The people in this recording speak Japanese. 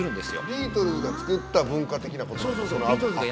ビートルズが作った文化的なことですか。